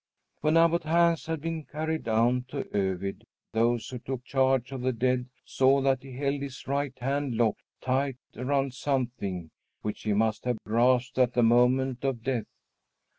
When Abbot Hans had been carried down to Övid, those who took charge of the dead saw that he held his right hand locked tight around something which he must have grasped at the moment of death.